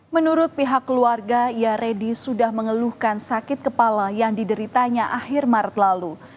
menurut pihak keluarga ya redi sudah mengeluhkan sakit kepala yang dideritanya akhir maret lalu